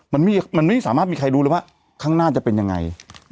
มันไม่สามารถมีใครรู้เลยว่าข้างหน้าจะเป็นยังไง